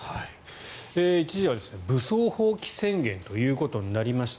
一時は武装蜂起宣言ということになりました。